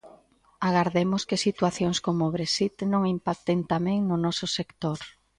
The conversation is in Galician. Agardemos que situacións como o Brexit non impacten tamén no noso sector.